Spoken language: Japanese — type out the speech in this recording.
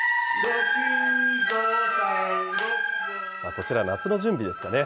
こちら、夏の準備ですかね。